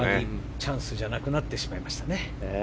チャンスじゃなくなってしまいましたね。